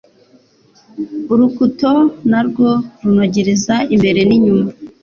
Urukuto Narwo runogereza imbere n'inyuma,